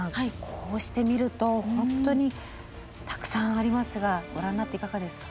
こうしてみると本当にたくさんありますがご覧になっていかがですか？